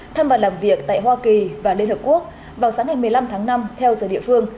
thăm và làm việc tại hoa kỳ và liên hợp quốc vào sáng ngày một mươi năm tháng năm theo giờ địa phương